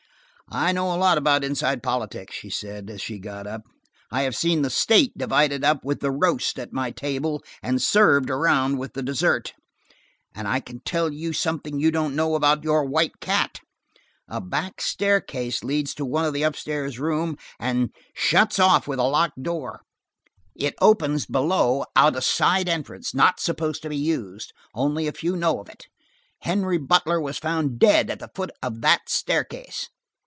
"I know a lot about inside politics," she said, as she got up. "I have seen the state divided up with the roast at my table, and served around with the dessert, and I can tell you something you don't know about your White Cat. :A back staircase leads to one of the up stairs rooms, and shuts off with a locked door. It opens below, out a side entrance, not supposed to be used. Only a few know of it. Henry Butler was found dead at the foot of that staircase."